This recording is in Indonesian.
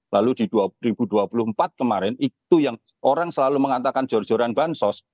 lalu di dua ribu dua puluh empat kemarin itu yang orang selalu mengatakan jor joran bansos